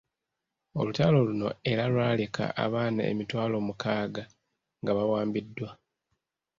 Olutalo luno era lwaleka abaana emitwalo mukaaga nga bawambiddwa.